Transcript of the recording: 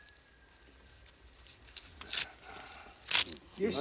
よし。